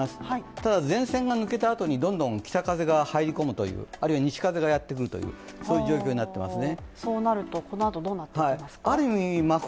ただ前線が抜けた後にどんどん北風が入り込むという、あるいは西風がやってくるという、そういう状況になってますね